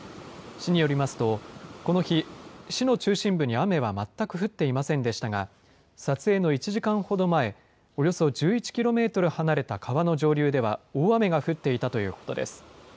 市によりますと、この日、市の中心部に雨は全く降っていませんでしたが、撮影の１時間ほど前、およそ１１キロメートル離れた川の上流では、大雨が降っていたということです。